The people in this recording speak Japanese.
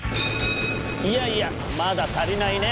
いやいやまだ足りないね。